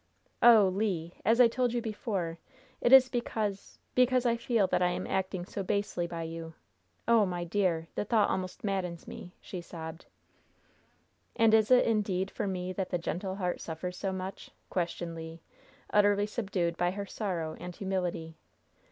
"Oh, Le! as I told you before, it is because because I feel that I am acting so basely by you! oh, my dear! the thought almost maddens me!" she sobbed. "And is it indeed for me that the gentle heart suffers so much?" questioned Le, utterly subdued by her sorrow and humility.